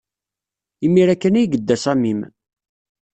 Imir-a kan ay yedda Samim